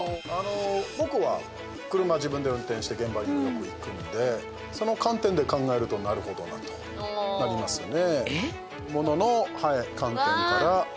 僕は車を自分で運転して現場に行くのでその観点で考えるとなるほどなとなりますね。